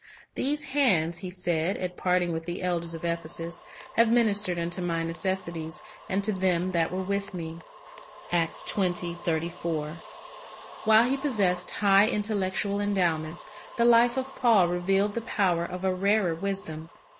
"These hands," he said, at parting with the elders of Ephesus, "have ministered unto my necessities, and to them that were with me." 2 While he possessed high intellectual endowments, the life of Paul revealed the power of a rarer wisdom.